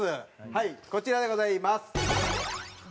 はいこちらでございます。